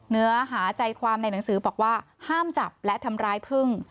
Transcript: เนื้อหาใจความในหนังสือบอกว่าห้ามจับและทำร้ายพึ่ง